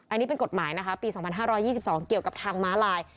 อันนี้เป็นกฎหมายนะคะปี๒๕๒๒เกี่ยวกับทางม้าลาย